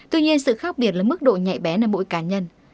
tuy nhiên sự khác biệt là mức độ nhạy bé nơi mỗi cá nhân